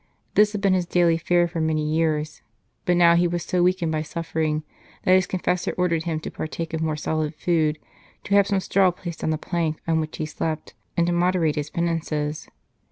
This had been his daily fare for many years, but now he was so weakened by 229 St. Charles Borromeo suffering that his confessor ordered him to par take of more solid food, to have some straw placed on the plank on which he slept, and to moderate his penances.